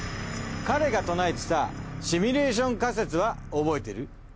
彼が唱えてたシミュレーション仮説は覚えてる？